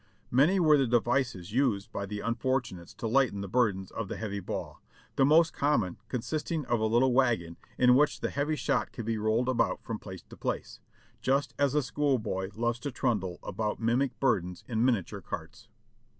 Many were the devices used by the unfortunates to lighten the burdens of the heavy ball, the most common consisting of a little wagon in which the heavy shot could be rolled about from place to place, just as a school boy loves to trundle about mimic burdens in minia ture carts.